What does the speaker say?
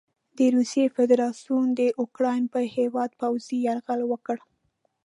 د روسیې فدراسیون د اوکراین پر هیواد پوځي یرغل وکړ.